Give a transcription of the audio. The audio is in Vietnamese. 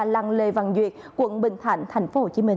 lăng lê văn duyệt quận bình thạnh tp hcm